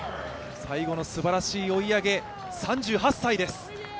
最後のすばらしい追い上げ、３８歳です。